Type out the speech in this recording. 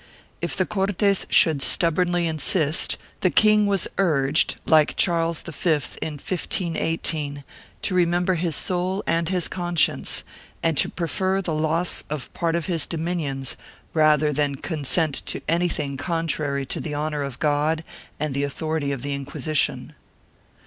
If the Cortes should stubbornly insist, the king was urged, like Charles V in 1518, to remember his soul and his conscience, and to prefer the loss of part of his dominions rather than consent to anything contrary to the honor of God and the authority of the Inquisition.